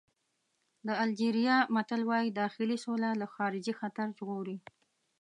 د الجېریا متل وایي داخلي سوله له خارجي خطر ژغوري.